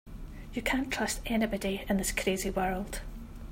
You can't trust anybody in this crazy world.